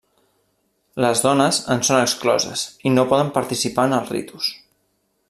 Les dones en són excloses i no poden participar en els ritus.